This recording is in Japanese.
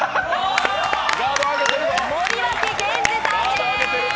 森脇健児さんです。